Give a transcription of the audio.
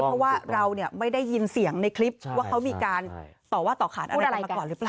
เพราะว่าเราไม่ได้ยินเสียงในคลิปว่าเขามีการต่อว่าต่อขานอะไรมาก่อนหรือเปล่า